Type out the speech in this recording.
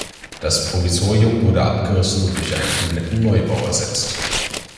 Das Provisorium wurde abgerissen und durch einen kompletten Neubau ersetzt.